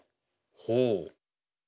ほう？